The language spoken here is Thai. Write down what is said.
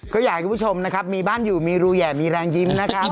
ขออยากให้ผู้ชมมีบ้านอยู่มีรูแย่มีรางยิ้ม